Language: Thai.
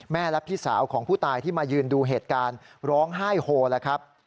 และพี่สาวของผู้ตายที่มายืนดูเหตุการณ์ร้องไห้โฮแล้วครับ